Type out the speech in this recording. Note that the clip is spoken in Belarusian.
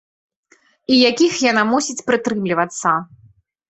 І якіх яна мусіць прытрымлівацца.